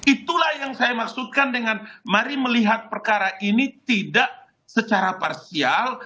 itulah yang saya maksudkan dengan mari melihat perkara ini tidak secara parsial